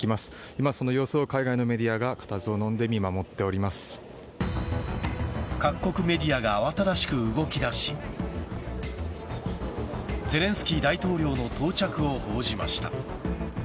今、その様子を海外のメディアがかたずをのんで見各国メディアが慌ただしく動きだしゼレンスキー大統領の到着を報じました。